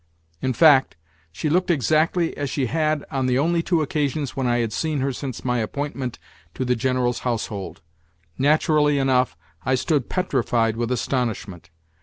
In fact, she looked exactly as she had on the only two occasions when I had seen her since my appointment to the General's household. Naturally enough, I stood petrified with astonishment.